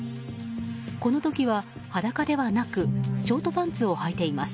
この時は裸ではなくショートパンツをはいています。